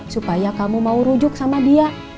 supaya kamu mau rujuk sama dia